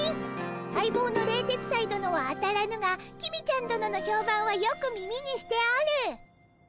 相棒の冷徹斎殿は当たらぬが公ちゃん殿の評判はよく耳にしておる！